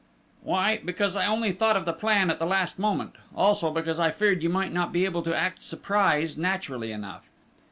"Why, because, I only thought of the plan at the last moment! Also, because I feared you might not be able to act surprise naturally enough!...